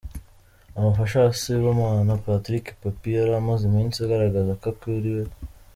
Umufasha wa Sibomana Patrick Pappy yari amaze iminsi agaragaza ko akuriwe.